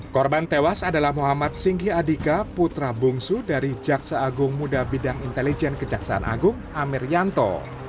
korban tewas adalah muhammad singgi adika putra bungsu dari jaksa agung muda bidang intelijen kejaksaan agung amir yanto